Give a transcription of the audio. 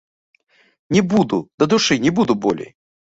Не буду, дадушы, не буду болей!